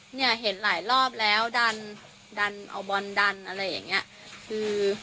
เนี่ยเห็นหลายรอบแล้วดันดันเอาบอลดันอะไรอย่างเงี้ยคือ